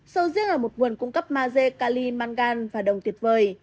sầu riêng là một nguồn cung cấp maze cali mangan và đồng tuyệt vời